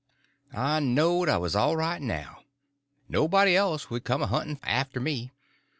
I knowed I was all right now. Nobody else would come a hunting after me.